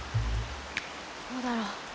どうだろう。